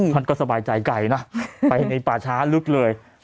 ท่านก็สบายใจไกลนะไปในป่าช้าลึกเลย